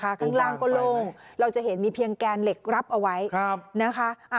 ข้างล่างก็โล่งเราจะเห็นมีเพียงแกนเหล็กรับเอาไว้นะคะ